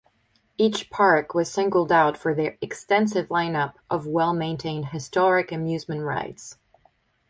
Each park was singled out for their extensive lineup of well-maintained historic amusement rides.